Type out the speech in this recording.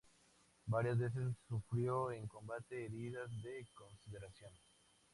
Varias veces sufrió en combate heridas de consideración.